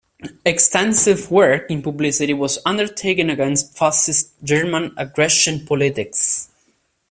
Extensive work in publicity was undertaken against fascist German aggression politics.